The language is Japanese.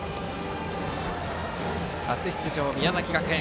初出場、宮崎学園。